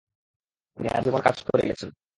তিনি আজীবন কাজ করে গেছেন।